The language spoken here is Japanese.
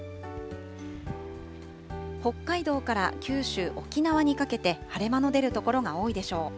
北海道から九州、沖縄にかけて、晴れ間の出る所が多いでしょう。